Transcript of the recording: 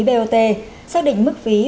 bot xác định mức phí